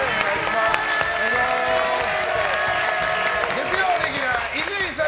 月曜レギュラー、伊集院さん